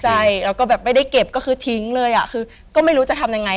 ใช่แล้วก็แบบไม่ได้เก็บก็คือทิ้งเลยอ่ะคือก็ไม่รู้จะทำยังไง